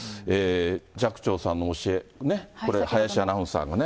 寂聴さんの教え、これ、林アナウンサーがね。